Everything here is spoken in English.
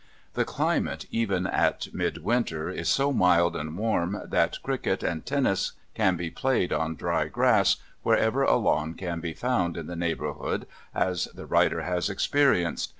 The climate even at mid winter is so mild and warm that cricket and tennis can be played on dry grass, wherever a lawn can be found in the neighbourhood, as the writer has experienced.